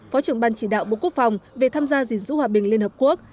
phó trưởng ban chỉ đạo bộ quốc phòng về tham gia dình dữ hòa bình liên hợp quốc